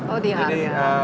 oh di harga